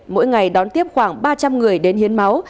mỗi ngày đón tiếp khoảng ba trăm linh người đến hiến máu